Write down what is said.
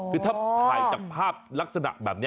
คือถ้าถ่ายจากภาพลักษณะแบบนี้